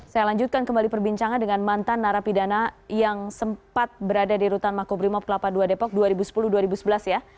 saya lanjutkan kembali perbincangan dengan mantan narapidana yang sempat berada di rutan makobrimob kelapa dua depok dua ribu sepuluh dua ribu sebelas ya